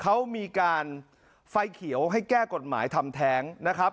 เขามีการไฟเขียวให้แก้กฎหมายทำแท้งนะครับ